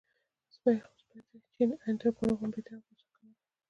خو سپی دی، چیني ان تر کوره غړمبېده او یې غوسه کوله.